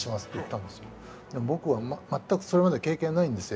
僕は全くそれまで経験ないんですよ。